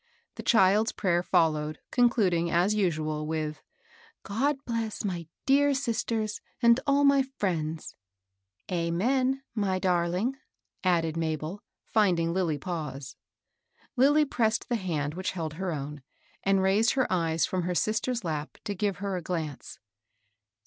The child's prayer followed, concluding, as usual, with, *^ God bless my dear sisters and all my friends." " 4.7»ew, my darling," added Mabel, finding Lilly pause. Lilly pressed the hsmd which held her own, and raised her eyes fi'om her sister's lap to give her a glance.